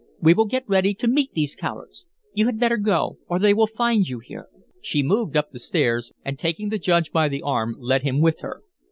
We will get ready to meet these cowards. You had better go or they will find you here." She moved up the stairs, and, taking the Judge by the arm, led him with her.